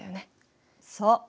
そう。